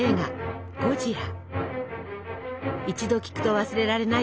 一度聞くと忘れられない